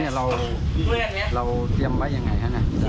เนี่ยเราเรียมไว้ยังไงนะครับ